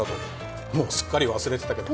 もうすっかり忘れてたけど